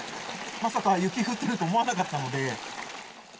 まさか雪降ってると思わなかったので。